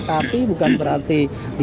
tapi bukan berarti